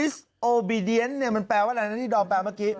คือไอไอไอมันแปลว่าอะไรนะที่ดองแปลว่าเมื่อกี้